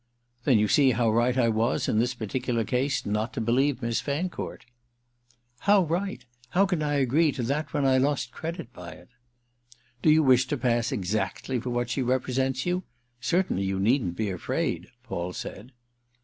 "Then you see how right I was in this particular case not to believe Miss Fancourt." "How right? how can I agree to that when I lost credit by it?" "Do you wish to pass exactly for what she represents you? Certainly you needn't be afraid," Paul said.